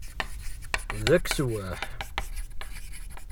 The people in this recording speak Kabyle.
D akeswaḥ!